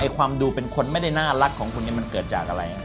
ความดูเป็นคนไม่ได้น่ารักของคุณมันเกิดจากอะไร